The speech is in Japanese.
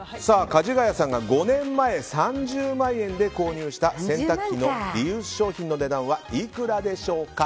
かじがやさんが５年前３０万円で購入した洗濯機のリユース商品の値段はいくらでしょうか？